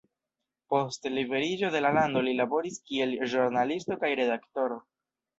Post liberiĝo de la lando li laboris kiel ĵurnalisto kaj redaktoro.